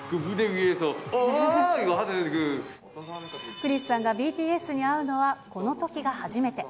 クリスさんがＢＴＳに会うのはこのときが初めて。